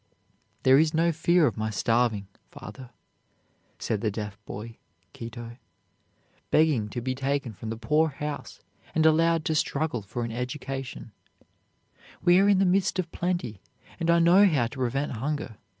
"There is no fear of my starving, father," said the deaf boy, Kitto, begging to be taken from the poorhouse and allowed to struggle for an education; "we are in the midst of plenty, and I know how to prevent hunger.